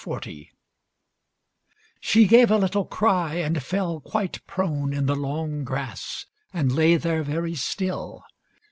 XXXI She gave a little cry and fell quite prone In the long grass, and lay there very still.